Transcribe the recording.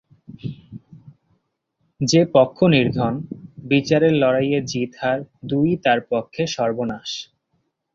যে পক্ষ নির্ধন, বিচারের লড়াইয়ে জিত-হার দুই তার পক্ষে সর্বনাশ।